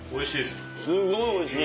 すごいおいしい。